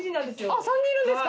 あっ３人いるんですか。